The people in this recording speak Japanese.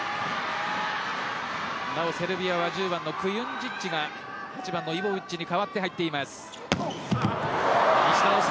なお、セルビアは１０番のクユンジッチがイボビッチに代わって入っています。